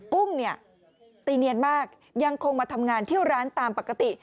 กุ้งเนี่ยตีเนียนมากยังคงมาทำงานที่ร้านตามปกติ